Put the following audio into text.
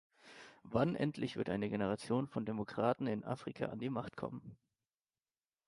Wann endlich wird eine Generation von Demokraten in Afrika an die Macht kommen?